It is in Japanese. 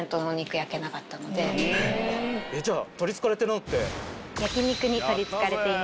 じゃあ。